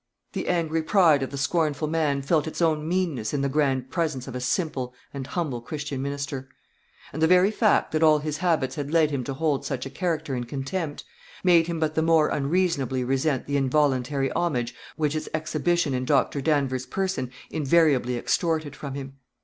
The angry pride of the scornful man felt its own meanness in the grand presence of a simple and humble Christian minister. And the very fact that all his habits had led him to hold such a character in contempt, made him but the more unreasonably resent the involuntary homage which its exhibition in Dr. Danvers's person invariably extorted from him.